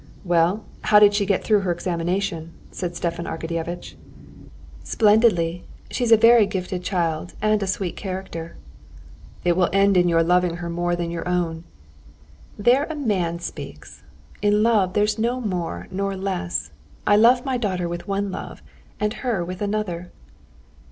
"Well, how did she get through her examination?" asked Stepan Arkadyevitch. "Splendidly! She's a very gifted child and a sweet character." "It will end in your loving her more than your own." "There a man speaks. In love there's no more nor less. I love my daughter with one love, and her with another."